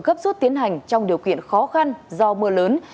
gấp rút tiến hành trong điều kiện khó khăn do mưa lớn